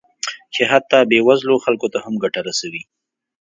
چې حتی بې وزلو خلکو ته هم ګټه رسوي